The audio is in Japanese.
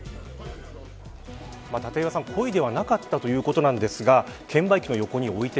故意ではなかったということですが券売機の横に置いて